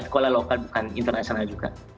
sekolah lokal bukan internasional juga